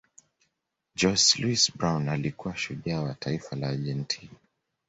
jose luis brown alikuwa shujaa wa taifa la argentina